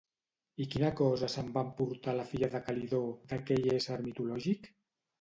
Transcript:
I quina cosa se'n va emportar la filla de Calidó d'aquell ésser mitològic?